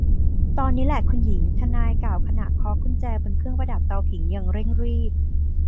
ตอนนี้แหละคุณหญิง ทนายกล่าวขณะเคาะกุญแจบนเครื่องประดับเตาผิงอย่างเร่งรีบ